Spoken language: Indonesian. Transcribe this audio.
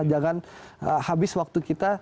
jangan habis waktu kita